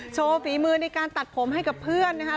ฝีมือในการตัดผมให้กับเพื่อนนะคะ